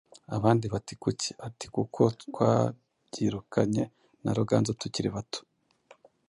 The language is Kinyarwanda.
Abandi bati Kuki?” ati Kuko twabyirukanye na Ruganzu tukiri bato,